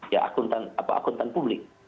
ya akuntan publik